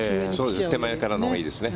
手前からのほうがいいですね。